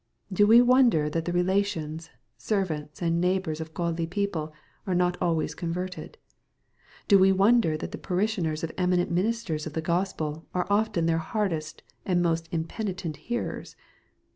Do we wonder that the relations, servants, and neigh bors of godly people are not always converted ? Do we If onder that the parishioners of eminent ministers of the Gospel are often their hardest and most impenitent hearers